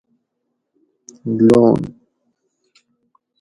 لون